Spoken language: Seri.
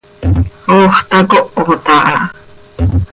¡Ox tacohot aha!